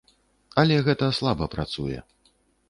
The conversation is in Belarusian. Але гэта слаба працуе.